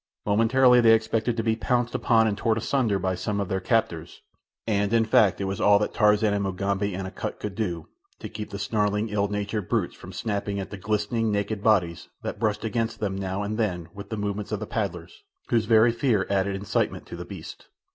Momentarily they expected to be pounced upon and torn asunder by some of their captors; and, in fact, it was all that Tarzan and Mugambi and Akut could do to keep the snarling, ill natured brutes from snapping at the glistening, naked bodies that brushed against them now and then with the movements of the paddlers, whose very fear added incitement to the beasts.